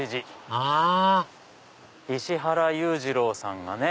あ石原裕次郎さんがね